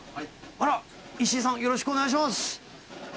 あらっ、石井さん、よろしくお願いします。